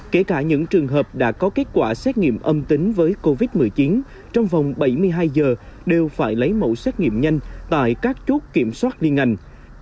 kể cả những trường hợp đã có kết quả xét nghiệm âm tính với covid một mươi chín trong vòng bảy mươi hai giờ đều phải lấy mẫu xét nghiệm nhanh tại các chốt kiểm soát liên ngành